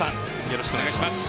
よろしくお願いします。